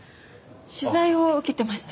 取材を受けてました。